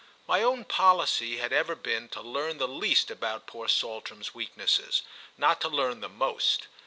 My own policy had ever been to learn the least about poor Saltram's weaknesses—not to learn the most.